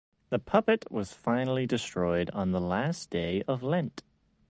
The puppet was finally destroyed on the last day of Lent.